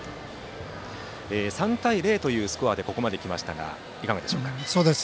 ３対０というスコアでここまできましたがいかがでしょうか？